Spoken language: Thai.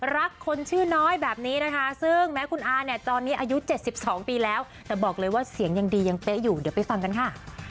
รักคนชื่อน้อยแบบนี้นะคะซึ่งแม้คุณอาเนี่ยตอนนี้อายุ๗๒ปีแล้วแต่บอกเลยว่าเสียงยังดียังเป๊ะอยู่เดี๋ยวไปฟังกันค่ะ